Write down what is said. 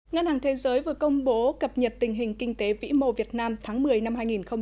ngân hàng thế giới vừa công bố cập nhật tình hình kinh tế vĩ mô việt nam tháng một mươi năm hai nghìn một mươi chín